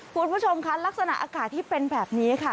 คุณผู้ชมคะลักษณะอากาศที่เป็นแบบนี้ค่ะ